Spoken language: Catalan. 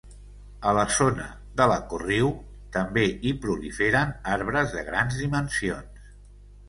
A la zona de la Corriu també hi proliferen arbres de grans dimensions.